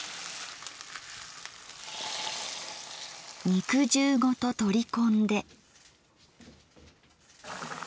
肉汁ごと取り込んで。